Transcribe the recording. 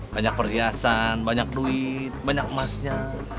banyak perhiasan banyak duit banyak emasnya